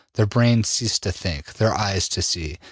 Their brain ceased to think, their eyes to see.